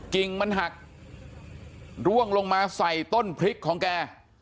กิ่งมันหักร่วงลงมาใส่ต้นพริกของแก